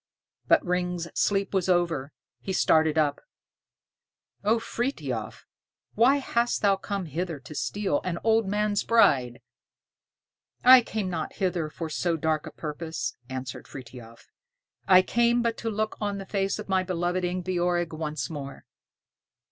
But Ring's sleep was over. He started up. "O Frithiof why hast thou come hither to steal an old man's bride?" "I came not hither for so dark a purpose," answered Frithiof; "I came but to look on the face of my loved Ingebjorg once more."